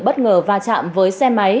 bất ngờ va chạm với xe máy